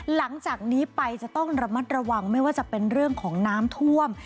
หลังจากนี้ไปจะต้องระมัดระวังไม่ว่าจะเป็นเรื่องของน้ำท่วม